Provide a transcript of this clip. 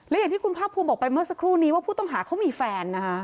และอย่างที่คุณภาคภูมิบอกไปเมื่อสักครู่นี้ว่าผู้ต้องหาเขามีแฟนนะคะ